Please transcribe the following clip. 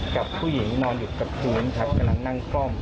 กับผู้หญิงนอนหยุดกับคุณครับกำลังนั่งก้ม